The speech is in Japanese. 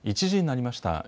１時になりました。